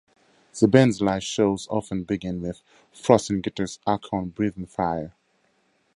The band's live shows often begin with Frost and guitarist Archaon breathing fire.